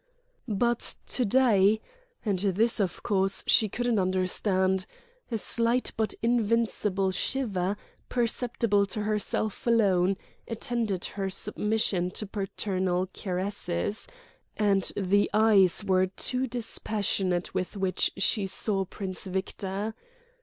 But to day—and this, of course, she couldn't understand—a slight but invincible shiver, perceptible to herself alone, attended her submission to paternal caresses; and the eyes were too dispassionate with which she saw Prince Victor.